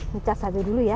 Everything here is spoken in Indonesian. ngecas aja dulu ya